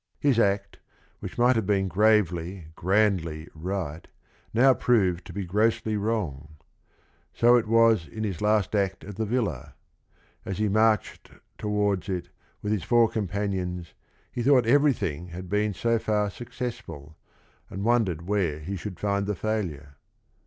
His act, which might have been gravely, grandly right, now proved to be grossly wrong. So it was in his last act at the villa. As he marched towards it with his four companions he thought everything had been so far success ful, and wondered where he should find the failure.